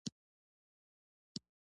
د کلي دعوه یې وګټله.